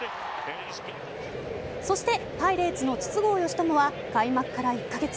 そして、パイレーツの筒香嘉智は開幕から１カ月。